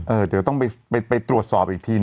เดี๋ยวต้องไปตรวจสอบอีกทีน